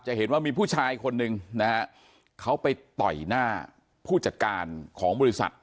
เห็นว่ามีผู้ชายคนหนึ่งนะฮะเขาไปต่อยหน้าผู้จัดการของบริษัท